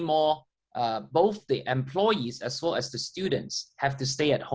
kedua dua pekerja dan pelajar harus tinggal di rumah